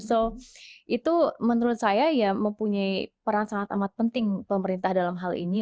jadi itu menurut saya ya mempunyai peran sangat amat penting pemerintah dalam hal ini